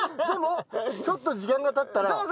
でもちょっと時間がたったら。